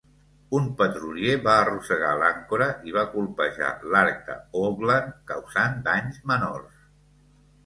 Un petrolier va arrossegar l'àncora i va colpejar l'arc de "Oakland", causant danys menors.